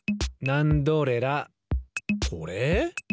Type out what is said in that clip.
これ？